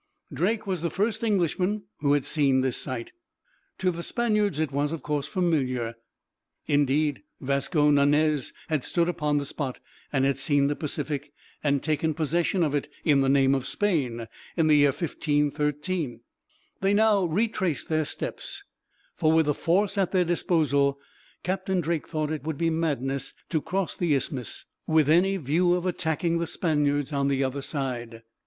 Drake was the first Englishman who had seen this sight. To the Spaniards it was, of course, familiar; indeed, Vasco Nunez had stood upon the spot and had seen the Pacific, and taken possession of it, in the name of Spain, in the year 1513. They now retraced their steps; for, with the force at their disposal, Captain Drake thought it would be madness to cross the isthmus, with any view of attacking the Spaniards on the other side.